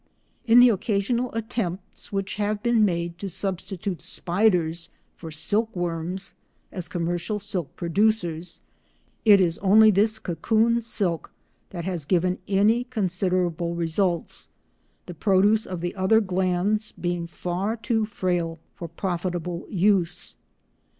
In the occasional attempts which have been made to substitute spiders for silkworms as commercial silk producers, it is only this cocoon silk that has given any considerable results, the produce of the other glands being far too frail for profitable use.